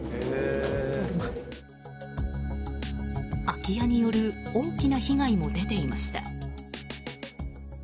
空き家による大きな被害も出ていました。